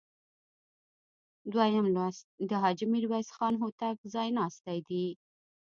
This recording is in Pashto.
دویم لوست د حاجي میرویس خان هوتک ځایناستي دي.